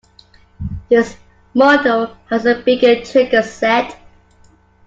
This model has a bigger trigger set.